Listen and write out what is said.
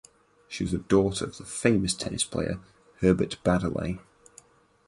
She was the daughter of the famous tennis player Herbert Baddeley.